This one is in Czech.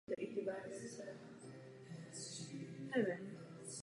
Se zvyšujícím se počtem účastníků přibyla kvalifikace pro závod jednotlivců.